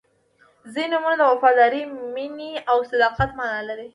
• ځینې نومونه د وفادارۍ، مینې او صداقت معنا لري.